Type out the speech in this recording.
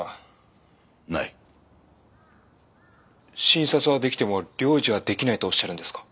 診察はできても療治はできないとおっしゃるんですか？